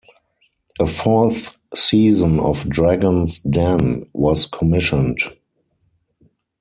A fourth season of "Dragons' Den" was commissioned.